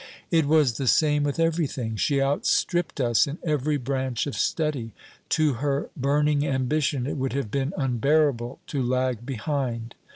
"It was the same with everything. She outstripped us in every branch of study. To her burning ambition it would have been unbearable to lag behind.